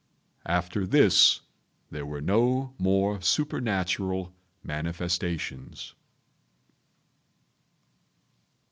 After this there were no more supernatural manifestations.